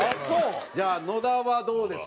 じゃあ野田はどうですか？